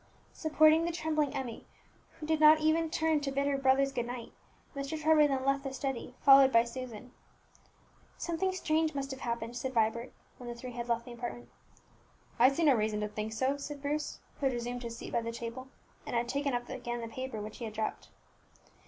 Supporting the trembling Emmie, who did not even turn to bid her brothers good night, Mr. Trevor then left the study, followed by Susan. "Something strange must have happened," said Vibert, when the three had left the apartment. "I see no reason to think so," said Bruce, who had resumed his seat by the table, and had taken up again the paper which he had dropped.